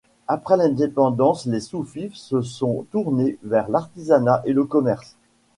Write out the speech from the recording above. Après l'indépendance les soufis se sont tournés vers l'artisanat et le commerce.